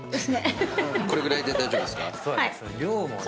これぐらいで大丈夫ですか？